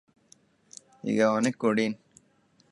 পূর্বে যে যুক্তিপরম্পরা বিবৃত হইয়াছে, তদনুসারে ইহাও অসম্ভব।